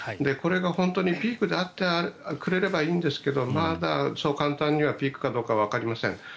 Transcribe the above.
これが本当にピークであってくれればいいんですけどまだそう簡単にはピークかどうかはわかりません。